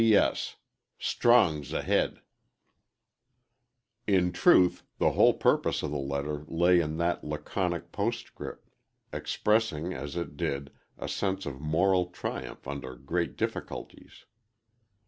"P. S. Strong's ahed."_ In truth, the whole purpose of the letter lay in that laconic postscript, expressing, as it did, a sense of moral triumph under great difficulties.